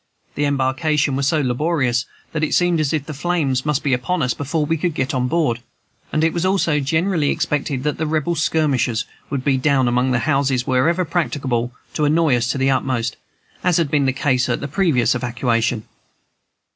The embarkation was so laborious that it seemed as if the flames must be upon us before we could get on board, and it was also generally expected that the Rebel skirmishers would be down among the houses, wherever practicable, to annoy us to the utmost, as had been the case at the previous evacuation.